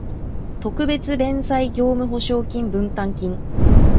特別弁済業務保証金分担金